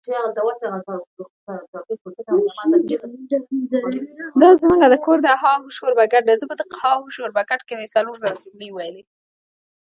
لوی تړک یې په زړه وخوړ.